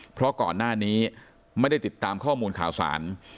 เพราะก่อนหน้านี้ไม่ได้ติดตามข้อมูลข่าวสาร